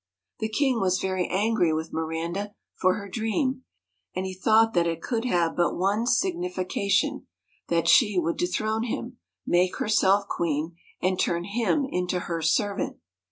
The king was very angry with Miranda for her dream, and he thought that it could have but one signification, that she would dethrone him, make herself queen, and turn him into her servant.